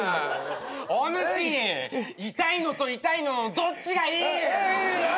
おぬし痛いのと痛いのどっちがいい！？